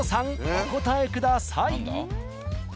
お答えください。